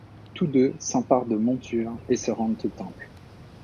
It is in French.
Tous deux s'emparent de montures et se rendent au Temple.